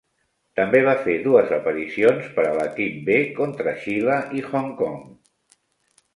També va fer dues aparicions per a l'equip B, contra Xile i Hong Kong.